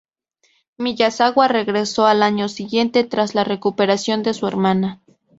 Miyazawa regresó al año siguiente tras la recuperación de su hermana.